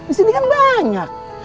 di sini kan banyak